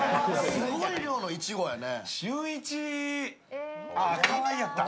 すごい量のいちごやね。